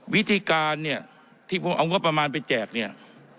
วิธีการเนี่ยที่ผมเอางบประมาณไปแจกเนี่ย